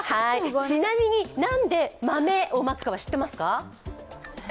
ちなみに、なんで豆をまくかは知ってますか？